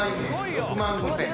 ６万５，０００。